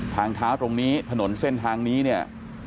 ทางเท้าตรงนี้ถนนเส้นทางนี้เนี่ย